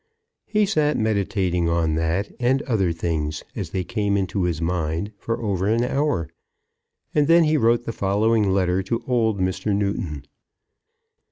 He sat meditating on that and other things as they came into his mind for over an hour, and then he wrote the following letter to old Mr. Newton.